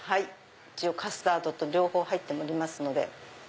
一応カスタードと両方入っておりますので。